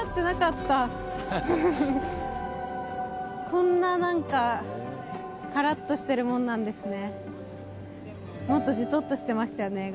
こんな何かカラっとしてるもんなんですね。